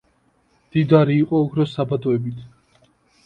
მდიდარი იყო ოქროს საბადოებით.